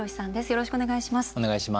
よろしくお願いします。